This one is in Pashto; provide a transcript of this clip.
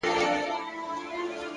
مهرباني له زړونو لاره مومي،